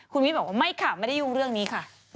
คุณวิทย์บอกว่าไม่ค่ะไม่ได้ยุ่งเรื่องนี้ค่ะ